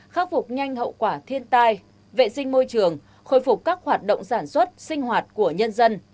khắc phục nhanh hậu quả thiên tai vệ sinh môi trường khôi phục các hoạt động sản xuất sinh hoạt của nhân dân